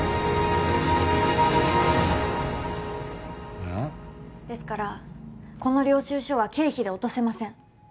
あぁ？ですからこの領収書は経費で落とせません。